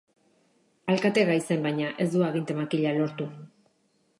Alkategai zen baina, ez du aginte-makila lortu.